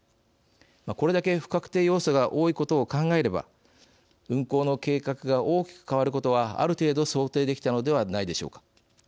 これだけ不確定要素が多いことを考えれば運行の計画が大きく変わることはある程度想定できたのではないでしょうか。